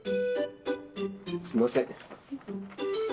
すいません。